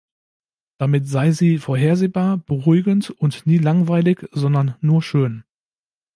Damit sei sie „vorhersehbar, beruhigend und nie langweilig, sondern nur schön“.